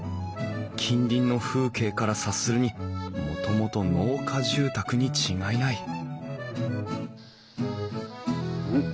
近隣の風景から察するにもともと農家住宅に違いないん？